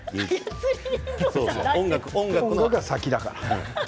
音楽の方が先だからね。